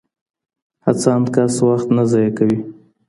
هڅاند کس وخت نه ضايع کوي.